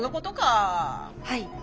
はい。